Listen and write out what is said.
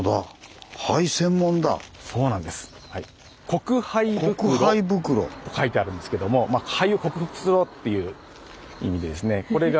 克灰袋。と書いてあるんですけども灰を克服するぞっていう意味ですね。